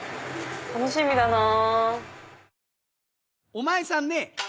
楽しみだなぁ。